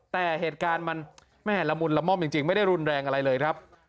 แต่เหตุการณ์มันแม่ละมุนละม่อมจริงไม่ได้รุนแรงอะไรเลยครับ